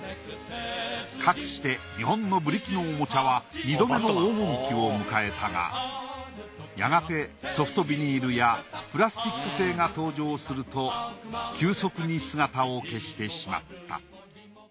かくして日本のブリキのおもちゃは２度目の黄金期を迎えたがやがてソフトビニールやプラスチック製が登場すると急速に姿を消してしまった。